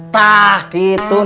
tak gitu ninn